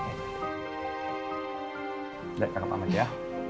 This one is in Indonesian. udah kak pamit ya